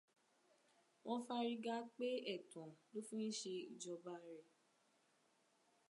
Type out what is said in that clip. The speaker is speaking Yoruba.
Wọ́n fárígá pé ẹ̀tàn ló fi ń ṣe ìjọba rẹ̀.